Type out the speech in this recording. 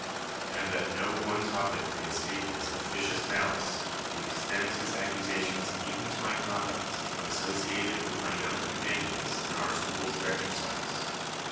And that no one topic may escape his officious malice, he extends his accusations even to my conduct when associated with my young companions in our schools of exercise.